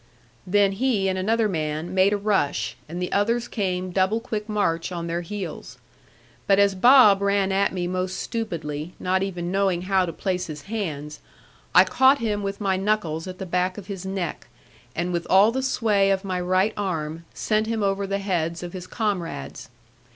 Then he, and another man, made a rush, and the others came double quick march on their heels. But as Bob ran at me most stupidly, not even knowing how to place his hands, I caught him with my knuckles at the back of his neck, and with all the sway of my right arm sent him over the heads of his comrades.